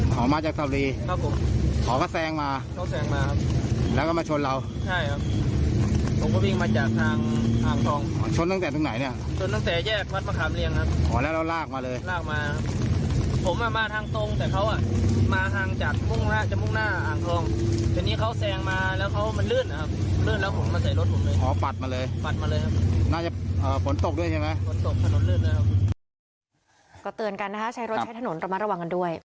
ก็เตือนกันนะคะใช้รถใช้ถนนระมัดระวังกันด้วย